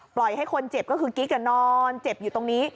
ให้คนเจ็บก็คือกิ๊กนอนเจ็บอยู่ตรงนี้